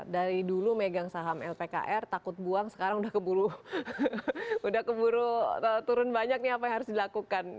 dari dulu megang saham lpkr takut buang sekarang udah keburu turun banyak nih apa yang harus dilakukan